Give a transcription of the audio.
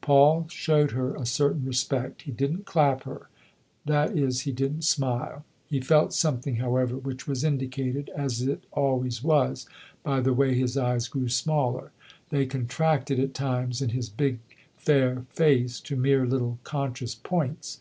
Paul showed her a certain respect ; he didn't clap her that is he didn't smile. He felt something, however, which was indicated, as it always was, by the way his eyes grew smaller : they contracted at 134 THE OTHER HOUSE times, in his big, fair face, to mere little conscious points.